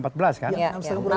iya enam setengah bulan